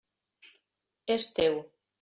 És teu.